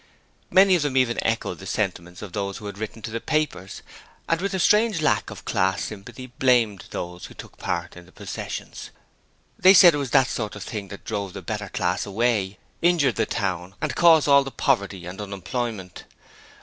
Many of them even echoed the sentiments of those who had written to the papers, and with a strange lack of class sympathy blamed those who took part in the processions. They said it was that sort of thing that drove the 'better class' away, injured the town, and caused all the poverty and unemployment.